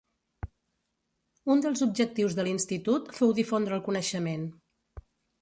Un dels objectius de l'Institut fou difondre el coneixement.